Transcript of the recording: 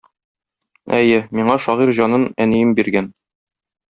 Әйе, миңа шагыйрь җанын әнием биргән.